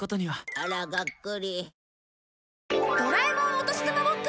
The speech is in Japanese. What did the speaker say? あらがっくり。